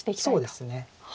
そうですね。